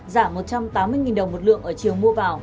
giảm một trăm tám mươi đồng một lượng ở chiều mua vào